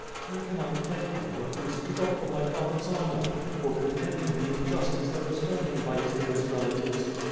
"How can I thank you for having stood up for my father's honor — for condemning the injustice that was done him by his nearest relatives."